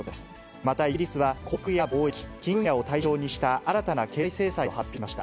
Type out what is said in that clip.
またイギリスは、航空や貿易、金融分野を対象にした新たな経済制裁を発表しました。